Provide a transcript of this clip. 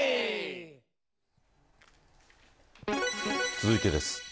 続いてです。